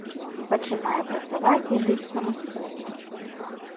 Пачынае працаваць і жыць самастойна.